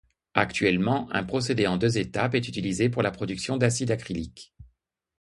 Actuellement, un procédé en deux étapes est utilisé pour la production d'acide acrylique.